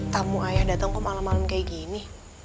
tamu ayah datang kok malam malam kayak gini